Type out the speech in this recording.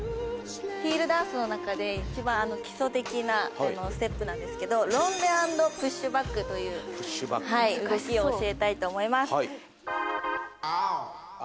ヒールダンスの中で一番基礎的なステップなんですけどロンデ＆プッシュバックという動きを教えたいと思います。